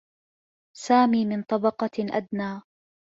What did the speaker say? سامي من طبقة أدنى.